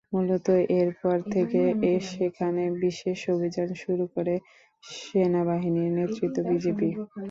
মূলত এরপর থেকে সেখানে বিশেষ অভিযান শুরু করে সেনাবাহিনীর নেতৃত্বে বিজিপি।